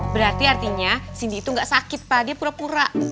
berarti artinya cindy itu gak sakit pak dia pura pura